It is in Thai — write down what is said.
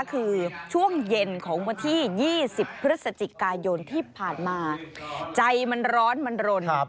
คือช่วงเย็นของวันที่๒๐พฤศจิกายนที่ผ่านมาใจมันร้อนมันรน